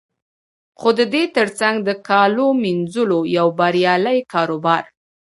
خو د دې تر څنګ د کالو مینځلو یو بریالی کاروبار